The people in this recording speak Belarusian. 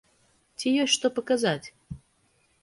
Ці ёсць што паказаць?